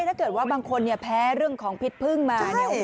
ถ้าเกิดว่าบางคนแพ้เรื่องของพิษพึ่งมา